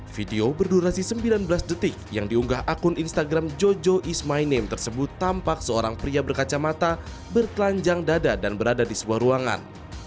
video berdurasi sembilan belas detik yang diunggah akun instagram jojo is my name tersebut tampak seorang pria berkacamata bertelanjang dada dan berada di sebuah ruangan